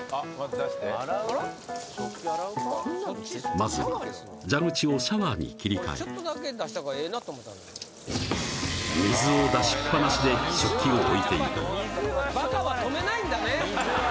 まずは蛇口をシャワーに切り替えちょっとだけ出したほうがええなと思った水を出しっぱなしで食器を置いていくバカは止めないんだね